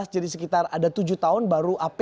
jadi sekitar ada tujuh tahun baru ap dua